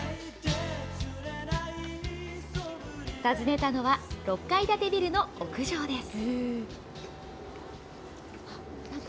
訪ねたのは、６階建てビルの屋上です。